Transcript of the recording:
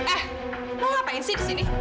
eh mau ngapain sih di sini